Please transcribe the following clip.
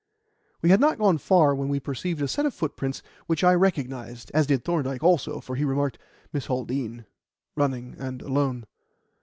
We had not gone far when we perceived a set of footprints which I recognized, as did Thorndyke also, for he remarked: "Miss Haldean running, and alone."